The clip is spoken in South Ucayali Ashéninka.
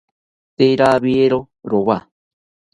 Tee rawiero rowa